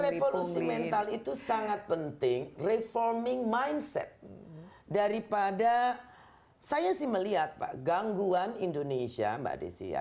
ya itu revolusi mental itu sangat penting reforming mindset daripada saya sih melihat pak gangguan indonesia mbak desia